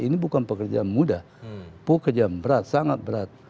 ini bukan pekerjaan mudah pekerjaan berat sangat berat